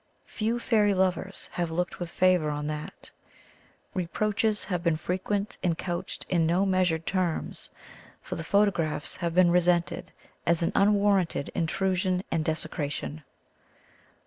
Few fairy lovers have looked with favour on that. Reproaches 174 THE THEOSOPHIC 'VIEW OF FAIRIES have been frequent and couched in no meas ured terms, for the photographs have been resented as an unwarranted intrusion and desecration.